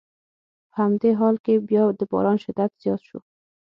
په همدې حال کې بیا د باران شدت زیات شو.